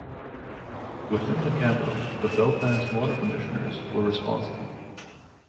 Within the capital, the Belfast Water Commissioners were responsible.